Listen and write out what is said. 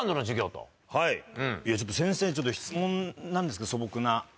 はいちょっと先生質問なんですけど素朴な。